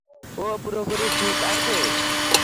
ও পুরোপুরি ঠিক আছে।